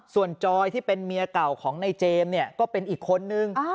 ส่วนจอยที่เป็นเมียเก่าของในเจมส์เนี่ยก็เป็นอีกคนนึง